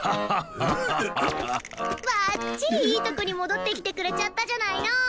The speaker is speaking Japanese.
バッチリいいとこに戻ってきてくれちゃったじゃないの！